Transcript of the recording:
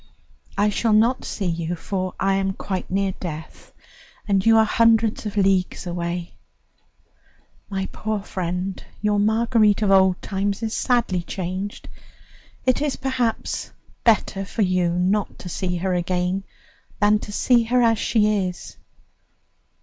I shall not see you, for I am quite near death, and you are hundreds of leagues away. My poor friend! your Marguerite of old times is sadly changed. It is better perhaps for you not to see her again than to see her as she is.